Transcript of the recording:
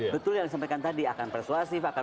betul yang disampaikan tadi akan persuasif akan